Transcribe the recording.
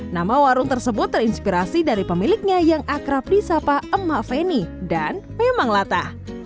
nama warung tersebut terinspirasi dari pemiliknya yang akrab di sapa emak feni dan memang latah